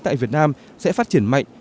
tại việt nam sẽ phát triển mạnh